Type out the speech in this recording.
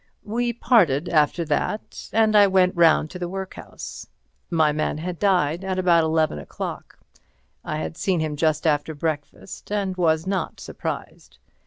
We parted after that, and I went round to the workhouse. My man had died at about eleven o'clock. I had seen him just after breakfast, and was not surprised.